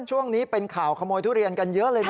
ช่วงนี้เป็นข่าวขโมยทุเรียนกันเยอะเลยนะ